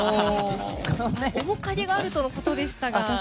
面影があるとのことでしたが。